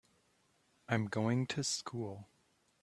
I'm going to school.